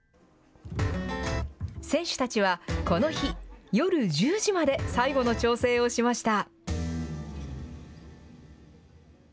選手たちは、この日、夜１０時まで最後の調整をしました。